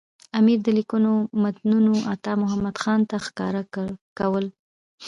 امیر د لیکونو متنونه عطامحمد خان ته ښکاره کول.